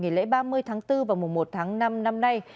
nghỉ lễ ba mươi tháng bốn và mùa một tháng năm năm nay